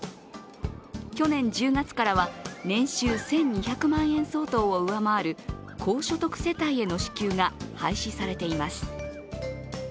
去年１０月からは年収１２００万円相当を上回る高所得世帯への支給が廃止されています。